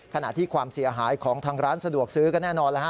ขณะที่ความเสียหายของทางร้านสะดวกซื้อก็แน่นอนแล้วฮ